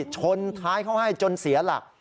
ชนท้ายเขาให้จนเสียหลัก